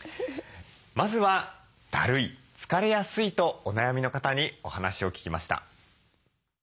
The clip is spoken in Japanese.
まずはだるい疲れやすいとお悩みの方にお話を聞きました。